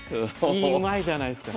いいうまいじゃないすか。